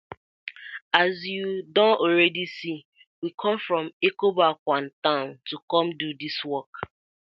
As yu don already see, we com from Ekoboakwan town to com to do dis work.